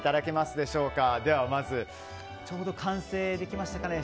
では、まずはちょうど完成できましたかね